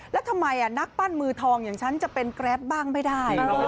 แล้วทำไมนักปั้นมือทองอย่างฉันจะเป็นแกรปบ้างไม่ได้